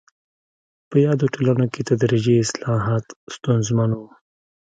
په یادو ټولنو کې تدریجي اصلاحات ستونزمن وو.